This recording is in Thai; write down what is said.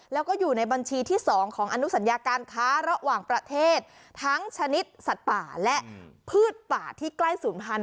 แล้วก็อยู่ในบัญชีที่๒ของอนุสัญญาการค้าระหว่างประเทศทั้งชนิดสัตว์ป่าและพืชป่าที่ใกล้ศูนย์พันธ